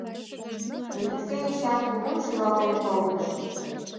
Элексей Эчан кугун шӱлалтен колтыш.